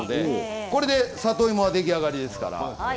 これで里芋は出来上がりです。